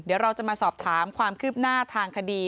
เดี๋ยวเราจะมาสอบถามความคืบหน้าทางคดี